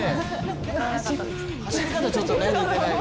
走り方、ちょっと似てない。